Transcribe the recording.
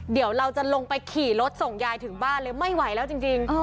เดี๋ยวเราจะลงไปขี่รถส่งยายถึงบ้านเลยไม่ไหวแล้วจริง